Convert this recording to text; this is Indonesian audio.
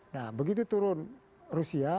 nah begitu turun rusia